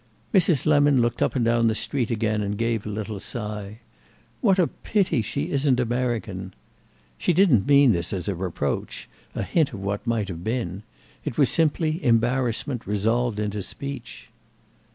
Mrs. Lemon looked up and down the street again and gave a little sigh. "What a pity she isn't American!" She didn't mean this as a reproach, a hint of what might have been; it was simply embarrassment resolved into speech.